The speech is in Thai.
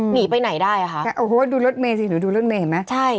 หนีไปไหนได้นะคะโอ้โฮดูรถเมษีหนูดูรถเมษีเห็นไหม